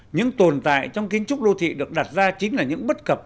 những tồn tại trong kiến trúc đô thị được đặt ra chính là những bất cập